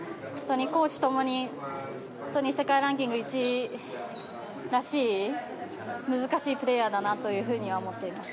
攻守ともに世界ランキング１位らしい難しいプレーヤーだなと思っています。